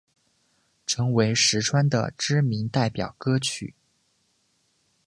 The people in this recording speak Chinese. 成为实川的知名代表歌曲。